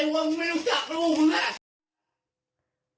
มึงไม่รู้สักรูป